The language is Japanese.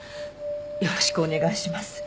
よろしくお願いします。